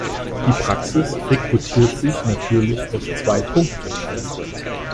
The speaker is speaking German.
Die Praxis rekrutiert sich natürlich aus zwei Punkten.